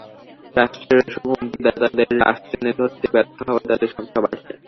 রাষ্ট্র এসব হুমকিদাতাদের রাশ টেনে ধরতে ব্যর্থ হওয়ায় তাদের সংখ্যা বাড়ছে।